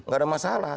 gak ada masalah